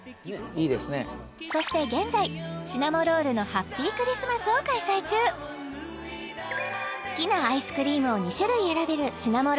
そして現在シナモロールのハッピークリスマスを開催中好きなアイスクリームを２種類選べるシナモロールのサンデーなど